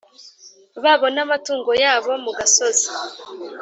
Babo n amatungo yabo mu gasozi